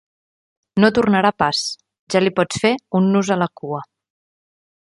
No tornarà pas: ja li pots fer un nus a la cua.